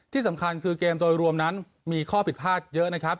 ที่สำคัญคือเกมโดยรวมนั้นมีข้อผิดพลาดเยอะนะครับ